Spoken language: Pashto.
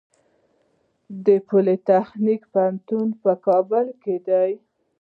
د پولي تخنیک پوهنتون په کابل کې دی